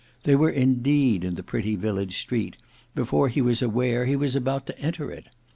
They were indeed in the pretty village street before he was aware he was about to enter it.